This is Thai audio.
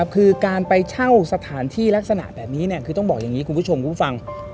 คือการไปเช่าสถานที่ลักษณะแบบนี้คือต้องบอกอย่างนี้คุณผู้ชมคุณผู้ฟัง